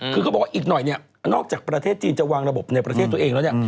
คือเขาบอกว่าอีกหน่อยเนี่ยนอกจากประเทศจีนจะวางระบบในประเทศตัวเองแล้วเนี่ย